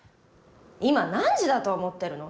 今何時だと思ってるの？